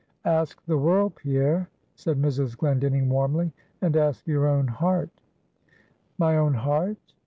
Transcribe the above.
"Ask the world, Pierre" said Mrs. Glendinning warmly "and ask your own heart." "My own heart?